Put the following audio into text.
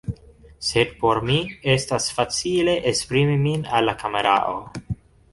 sed por mi estas facile esprimi min al la kamerao